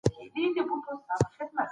د دورکهايم کتابونه بايد ولوستل سي.